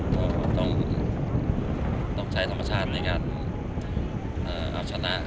ก็ต้องใช้ธรรมชาติในการเอาชนะ